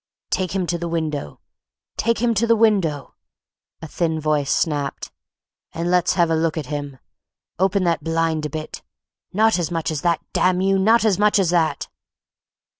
"Take him to the window, take him to the window," a thin voice snapped, "and let's have a look at him. Open the blind a bit. Not as much as that, damn you, not as much as that!"